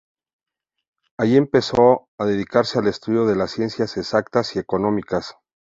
Allí empezó a dedicarse al estudio de las Ciencias Exactas y Económicas.